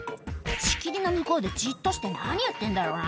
「仕切りの向こうでじっとして何やってんだろうな？」